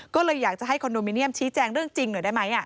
ก็เลยอยากจะให้คอนโดมิเนียมชี้แจงเรื่องจริงหน่อยได้ไหม